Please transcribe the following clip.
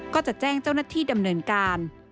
ก็จะแจ้งเจ้าหน้าที่ดำเนินการ